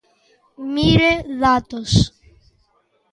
Mire, datos.